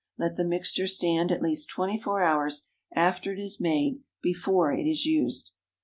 Let the mixture stand at least twenty four hours after it is made before it is used.